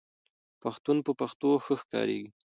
پښتون په پښتو ښه ښکاریږي